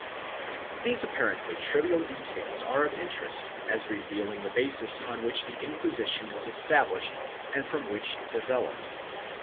2 These apparently trivial details are of interest as revealing the basis on which the Inquisition was established and from which it developed.